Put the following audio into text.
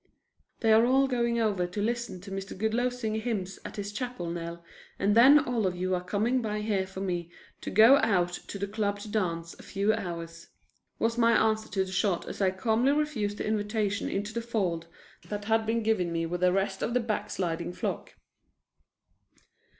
"They are all going over to listen to Mr. Goodloe sing hymns at his chapel, Nell, and then all of you are coming by here for me to go out to the Club to dance a few hours," was my answer to the shot as I calmly refused the invitation into the fold that had been given me with the rest of the backsliding flock.